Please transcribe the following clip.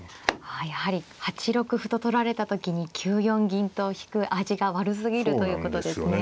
あやはり８六歩と取られた時に９四銀と引く味が悪すぎるということですね。